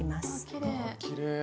きれい！